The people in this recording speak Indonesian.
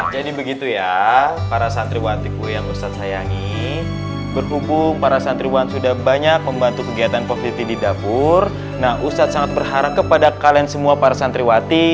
jadi begitu ya para santriwan tiku yang sayangi berhubung para santriwan sudah banyak membantu kegiatan positi di dapur nah ustadz sangat berharap kepada